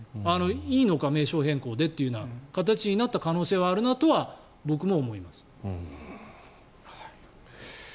いいのか、名称変更でという形になった可能性はあるなと僕も思います。